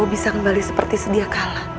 bisa kembali seperti sedia kalah